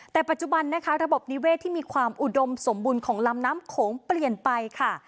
แต่ปัจจุบันนะคะระบบนิเวศที่มีความอุดมสมบูรณ์ของลำน้ำโขงเปลี่ยนไปค่ะ